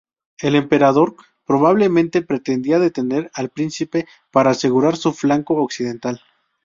El emperador probablemente pretendía detener al príncipe para asegurar su flanco occidental.